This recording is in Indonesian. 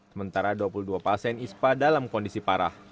sementara dua puluh dua pasien ispa dalam kondisi parah